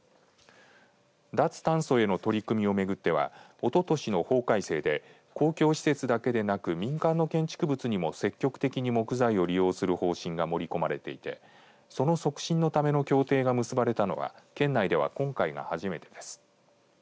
脱炭素への取り組みを巡ってはおととしの法改正で公共施設だけでなく民間の建築物にも積極的に木材を利用する方針が盛り込まれていてその促進のための協定が結ばれたのは県内では今回が初めてです。